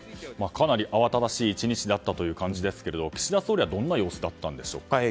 かなり慌ただしい１日だったという感じですが岸田総理はどんな様子だったんでしょうか。